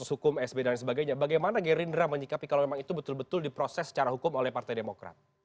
proses hukum sb dan sebagainya bagaimana gerindra menyikapi kalau memang itu betul betul diproses secara hukum oleh partai demokrat